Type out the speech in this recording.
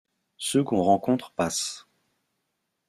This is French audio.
Ceux qu’on rencontre Passent.